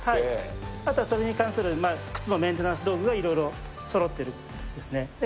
あとはそれに関する靴のメンテナンス道具が、いろいろそろってる。